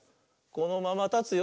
「このままたつよ」